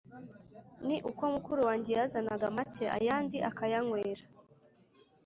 ni uko mukuru wanjye yazanaga make ayandi akayanywera.